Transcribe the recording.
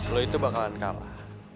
lu itu bakalan kalah